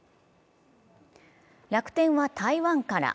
楽天は台湾から。